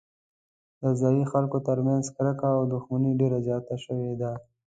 د ځايي خلکو ترمنځ کرکه او دښمني ډېره زیاته شوې ده.